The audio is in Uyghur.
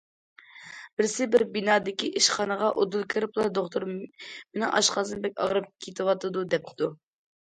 بىرسى بىر بىنادىكى ئىشخانىغا ئۇدۇل كىرىپلا: دوختۇر، مېنىڭ ئاشقازىنىم بەك ئاغرىپ كېتىۋاتىدۇ-- دەپتۇ.